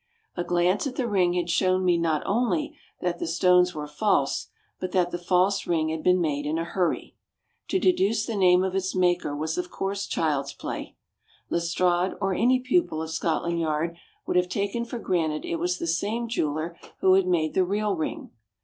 A glance at the ring had shown me not only that the stones were false, but that the false ring had been made in a hurry. To deduce the name of its maker was of course child's play. Lestrade or any pupil of Scotland Yard would have taken for granted it was the same jeweller who had made the real ring.